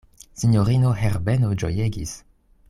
Sinjorino Herbeno ĝojegis.